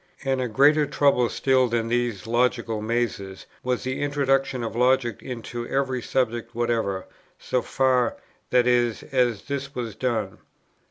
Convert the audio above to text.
And a greater trouble still than these logical mazes, was the introduction of logic into every subject whatever, so far, that is, as this was done.